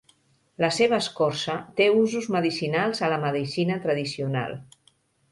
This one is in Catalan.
La seva escorça té usos medicinals a la medicina tradicional.